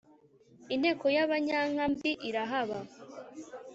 inteko y’abanyanka mbi irahaba